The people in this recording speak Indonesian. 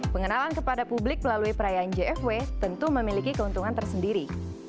pengenalan kepada publik melalui perayaan jfw tentu memiliki keuntungan tersendiri